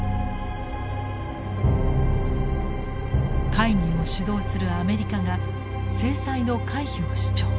会議を主導するアメリカが制裁の回避を主張。